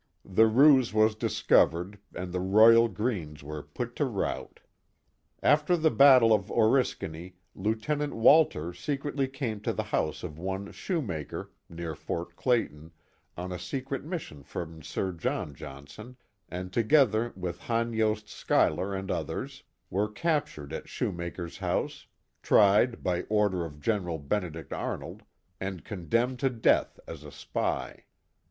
The ruse was discovered, and the Royal Greens were put to rout. After the battle of Oriskany, Lieutenant Walter secretly came to the house of one Shoe maker, near Fort Clayton, on a secret mission from Sir John Johnson, and together with Han Yost Schuyler and others, were captured at Shoemaker's house, tried by order of General Benedict Arnold, and condemned to death as a spy.